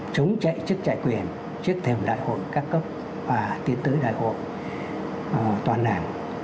chống chạy chức chạy quyền trước thềm đại hội ca cấp và tiến tới đại hội toàn hạng